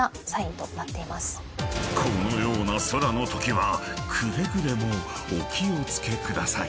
［このような空のときはくれぐれもお気を付けください］